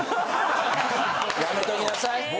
ヤメときなさい。